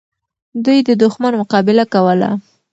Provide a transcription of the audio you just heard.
دوی د دښمن مقابله کوله.